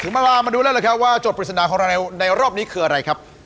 มาลามาดูแล้วล่ะครับว่าจดปริศนาของเราในรอบนี้คืออะไรครับ